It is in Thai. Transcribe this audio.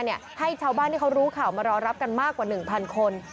ให้ชาวบ้านที่เขารู้ข่าวมารอรับกันมากกว่า๑๐๐คน